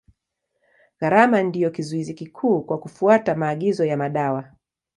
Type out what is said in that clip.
Gharama ndio kizuizi kikuu kwa kufuata maagizo ya madawa.